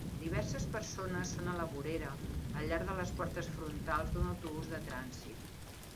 diverses persones són a la vorera, al llarg de les portes frontals d'un autobús de trànsit